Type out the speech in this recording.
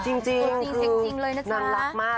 จริงคือนั้นรักมาก